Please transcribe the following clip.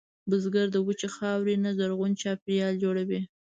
بزګر د وچې خاورې نه زرغون چاپېریال جوړوي